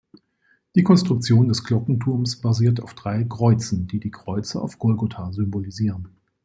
Die Konstruktion des Glockenturms basiert auf drei Kreuzen, die die Kreuze auf Golgota symbolisieren.